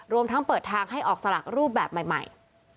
รวมทั้งเปิดทางให้ออกสลากรูปแบบใหม่